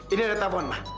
ini ada telepon ma